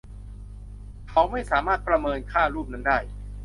เขาไม่สามารถประเมินค่ารูปนั้นได้